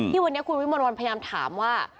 ที่วันนี้คุณวิมรวรรณพยายามถามว่า